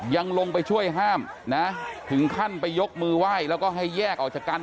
ยังลงไปช่วยห้ามนะถึงขั้นไปยกมือไหว้แล้วก็ให้แยกออกจากกัน